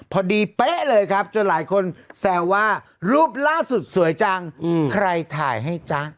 เป๊ะเลยครับจนหลายคนแซวว่ารูปล่าสุดสวยจังใครถ่ายให้จ๊ะ